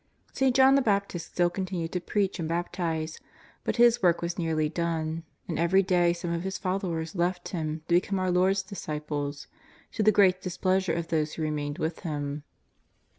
St. John the Baptist still continued to preach and baptize, but his work was nearly done, and every day some of his followers left him to become our Lord^s disciples, to the great displeasure of those who remained with him.